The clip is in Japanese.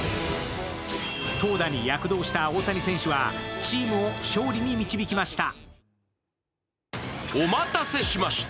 投打に躍動した大谷選手はチームを勝利に導きました。